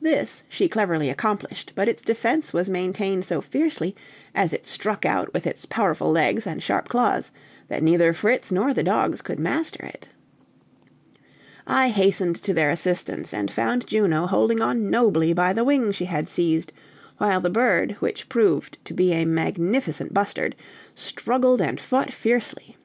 This she cleverly accomplished, but its defense was maintained so fiercely, as it struck out with its powerful legs and sharp claws, that neither Fritz nor the dogs could master it. I hastened to their assistance, and found Juno holding on nobly by the wing she had seized, while the bird, which proved to be a magnificent bustard, struggled and fought fiercely.